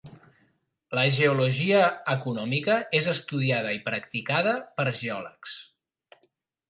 La geologia econòmica és estudiada i practicada per geòlegs.